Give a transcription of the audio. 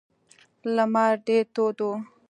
لمر ډیر تود و.